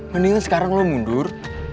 bendingan sekarang lo mundur